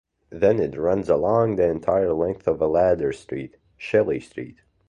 Then it runs along the entire length of a ladder street, Shelley Street.